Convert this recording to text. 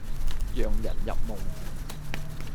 讓人入夢